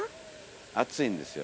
暑いんですよ。